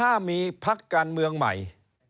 ถ้ามีพักการเมืองใหม่